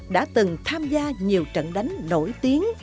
đã từng tham gia nhiều trận đánh nổi tiếng